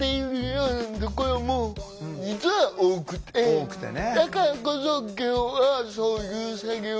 多くてね。